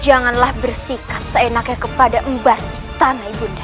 janganlah bersikap seenaknya kepada umbat istana ibu nda